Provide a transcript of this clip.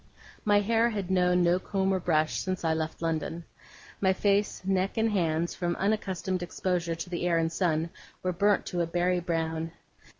My hair had known no comb or brush since I left London. My face, neck, and hands, from unaccustomed exposure to the air and sun, were burnt to a berry brown.